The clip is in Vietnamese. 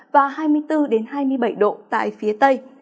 và hai mươi bốn hai mươi bảy độ tại phía tây